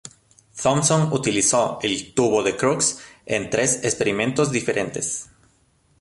Thomson utilizó el tubo de Crookes en tres experimentos diferentes.